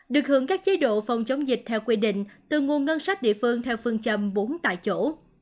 được hưởng các chế độ phòng chống dịch theo quy định từ nguồn ngân sách địa phương theo phương châm bốn tại chỗ